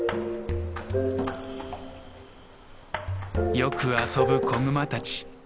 よく遊ぶ子グマたち。